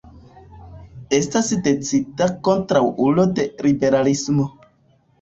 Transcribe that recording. Estas decida kontraŭulo de liberalismo.